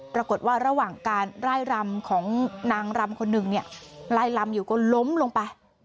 ปรากฏว่าระหว่างการไล่รำของนางรำคนหนึ่งเนี่ยไล่ลำอยู่ก็ล้มลงไป